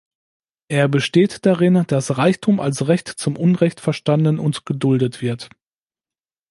Er besteht darin, dass „Reichtum als Recht zum Unrecht“ verstanden und geduldet wird.